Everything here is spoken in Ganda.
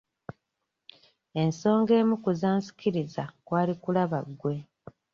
Ensonga emu ku zansikiriza kwali kulaba gwe.